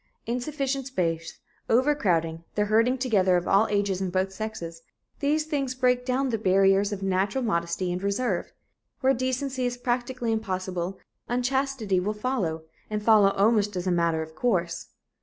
Insufficient space, over crowding, the herding together of all ages and both sexes these things break down the barriers of a natural modesty and reserve. Where decency is practically impossible, unchastity will follow, and follow almost as a matter of course."